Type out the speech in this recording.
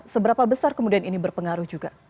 seberapa besar kemudian ini berpengaruh juga